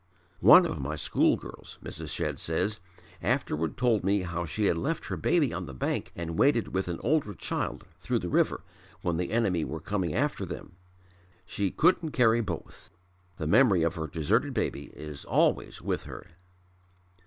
"One of my school girls," Mrs. Shedd says, "afterward told me how she had left her baby on the bank and waded with an older child through the river when the enemy were coming after them. She couldn't carry both. The memory of her deserted baby is always with her."